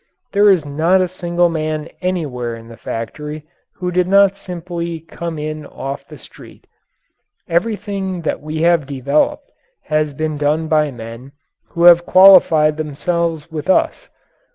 There is not a single man anywhere in the factory who did not simply come in off the street. Everything that we have developed has been done by men who have qualified themselves with us.